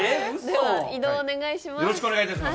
では移動お願いします。